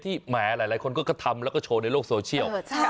แหมหลายคนก็ทำแล้วก็โชว์ในโลกโซเชียล